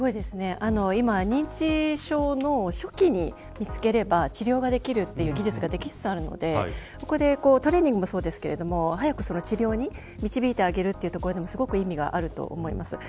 今、認知症の初期に見つければ治療ができるという技術ができつつあるのでそこでトレーニングもそうですけど早く治療に導いてあげるというところでも意味があると思います。